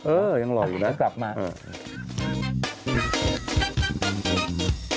เออยังรออยู่นะเริ่มค่อยกลับมาเอิ่ม